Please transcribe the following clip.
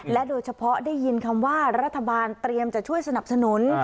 โดยเฉพาะได้ยินคำว่ารัฐบาลเตรียมจะช่วยสนับสนุน